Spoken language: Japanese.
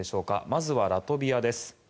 まずはラトビアです。